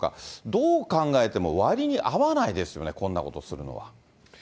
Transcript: どう考えても割に合わないですよね、こんなことするのは。